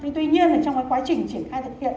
tuy nhiên trong cái quá trình triển khai thực hiện